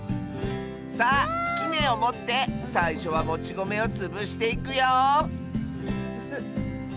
さあきねをもってさいしょはもちごめをつぶしていくよつぶす。